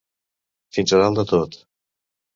Fins a dalt de tot.